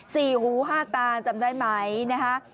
สี่หูห้าตาจำได้ไหมนะคะ